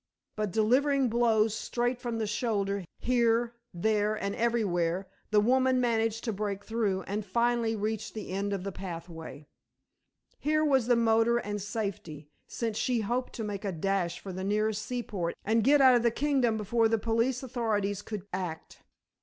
But, delivering blows straight from the shoulder, here, there, and everywhere, the woman managed to break through, and finally reached the end of the pathway. Here was the motor and safety, since she hoped to make a dash for the nearest seaport and get out of the kingdom before the police authorities could act.